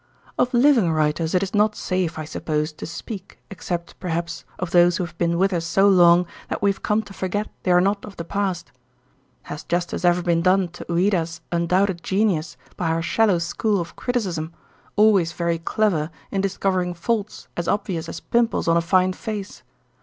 Of living writers it is not safe, I suppose, to speak except, perhaps, of those who have been with us so long that we have come to forget they are not of the past. Has justice ever been done to Ouida's undoubted genius by our shallow school of criticism, always very clever in discovering faults as obvious as pimples on a fine face?